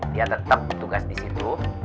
dia tetap tugas disitu